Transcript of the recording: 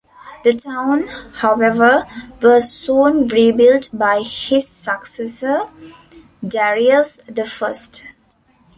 The town, however, was soon rebuilt by his successor Darius the First.